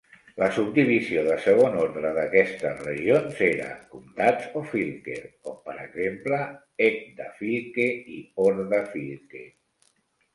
La subdivisió de segon ordre d'aquestes regions era en comtats o "fylker", com per exemple "Egdafylke" i "Hordafylke".